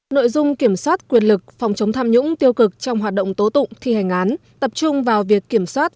nội dung kiểm soát quyền lực phòng chống tham nhũng tiêu cực trong hoạt động tố tụng thi hành án tập trung vào việc kiểm soát